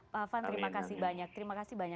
pak afan terima kasih banyak terima kasih banyak